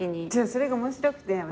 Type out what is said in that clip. それが面白くて。